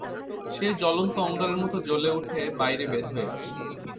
সে জ্বলন্ত অঙ্গারের মত জ্বলে উঠে বাইরে বের হয়ে আসে।